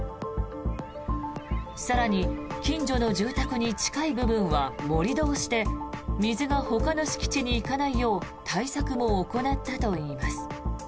更に、近所の住宅に近い部分は盛り土をして水がほかの敷地に行かないよう対策も行ったといいます。